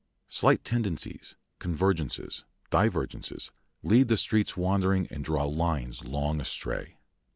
Slight tendencies, convergences, divergences, lead the streets wandering and draw lines long astray.